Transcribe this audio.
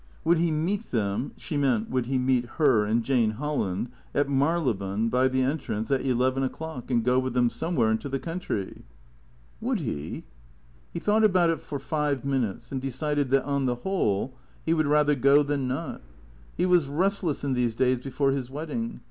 Would he meet them (she meant, would he meet her and Jane Holland) at Marylebone, by the entrance, at eleven o'clock, and go with them somewhere into the country ?, Would he? He thought about it for five minutes, and de cided that on the whole he would rather go than not. He was restless in these days before his wedding.